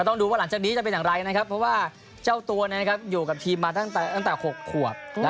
แต่ว่าคนนี้คือได้สัญญาชีวิตจริงก็มีการเปิดออกมา